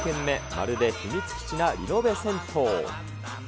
まるで秘密基地なリノベ銭湯。